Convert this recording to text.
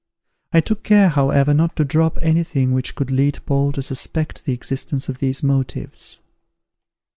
I took care, however, not to drop any thing which could lead Paul to suspect the existence of these motives.